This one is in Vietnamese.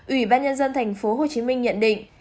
ubnd tp hcm nhận định